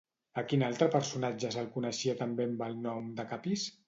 A quin altre personatge se'l coneixia també amb el nom de Capis?